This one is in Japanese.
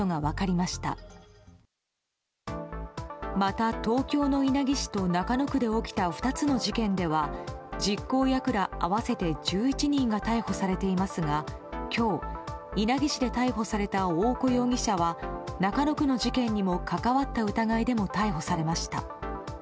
また、東京の稲城市と中野区で起きた２つの事件では実行役ら合わせて１１人が逮捕されていますが今日、稲城市で逮捕された大古容疑者は中野区の事件にも関わった疑いでも逮捕されました。